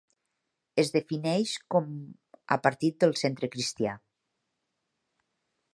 Es defineix com a partit del Centre cristià.